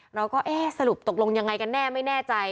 แล้วก็สรุปตกลงอย่างไรกันแน่ไม่แน่ใจ